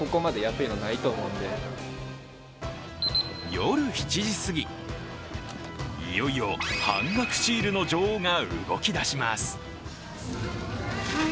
夜７時すぎ、いよいよ半額シールの女王が動き出します。